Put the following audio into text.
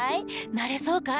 なれそうかい？